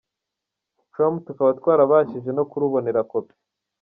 com tukaba twarabashije no kurubonera kopi.